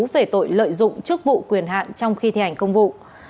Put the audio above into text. về tội lợi dụng chức vụ quyền hạn trong khi thi hành công vụ